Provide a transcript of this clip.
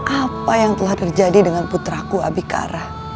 apa yang telah terjadi dengan putraku abikara